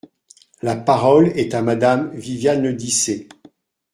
La parole est à Madame Viviane Le Dissez.